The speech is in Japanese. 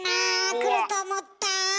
くると思った！